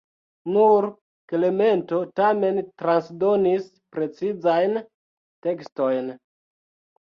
Nur Klemento tamen transdonis precizajn tekstojn.